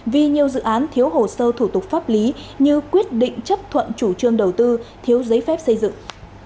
vì nhiều dự án thiếu hồ sơ thủ tục pháp lý như quyết định chấp thuận chủ trương đầu tư thiếu giấy phép xây dựng